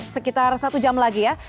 sekitar satu jam lagi ya